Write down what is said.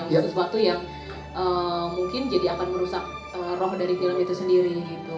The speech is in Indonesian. ya sesuatu yang mungkin jadi akan merusak roh dari film itu sendiri